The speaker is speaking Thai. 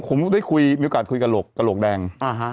เออคุณได้พูดที่คุยกับโรกแดง